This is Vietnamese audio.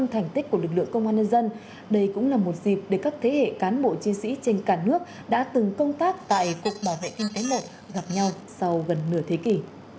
tại cục bảo vệ kinh tế một gặp nhau sau gần nửa thế kỷ